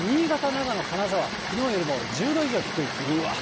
長野、金沢、きのうよりも１０度以上低いと。